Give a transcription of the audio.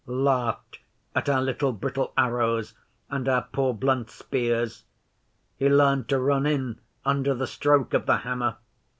'He laughed at our little brittle arrows and our poor blunt spears. He learned to run in under the stroke of the hammer.